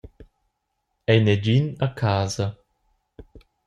Ei negin a casa?